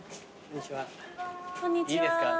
いいですか？